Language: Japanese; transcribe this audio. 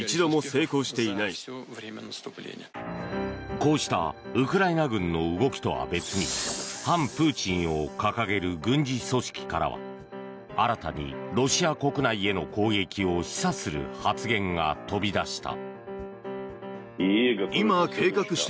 こうしたウクライナ軍の動きとは別に反プーチンを掲げる軍事組織からは新たにロシア国内への攻撃を示唆する発言が飛び出した。